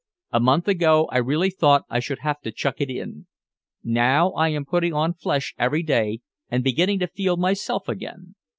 A month ago I really thought I should have to chuck it in. Now I am putting on flesh every day and beginning to feel myself again.